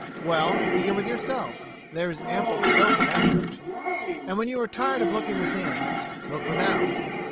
Well, begin with yourself; there is ample scope in that direction. And when you are tired of looking within look without.